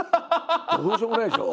どうしようもないでしょ？